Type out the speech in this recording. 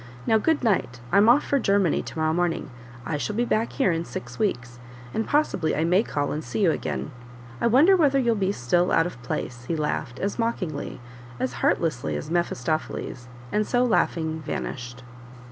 Now, good night I'm off for Germany to morrow morning; I shall be back here in six weeks, and possibly I may call and see you again; I wonder whether you'll be still out of place!" he laughed, as mockingly, as heartlessly as Mephistopheles, and so laughing, vanished.